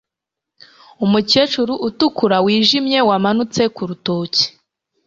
Umukecuru utukura wijimye wamanutse ku rutoki.